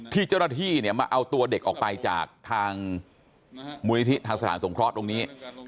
เจ้าหน้าที่เนี่ยมาเอาตัวเด็กออกไปจากทางมูลนิธิทางสถานสงเคราะห์ตรงนี้